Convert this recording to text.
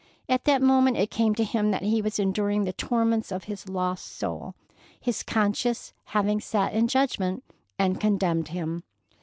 At that moment it came to him that he was enduring the torments of a lost soul, his conscience having sat in judgment and condemned him.